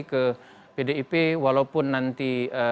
ke pdip walaupun nanti